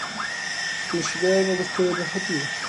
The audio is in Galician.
¿Considérano vostedes negativo?